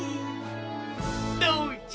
どうじゃ？